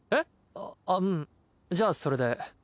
ああっうんじゃあそれで。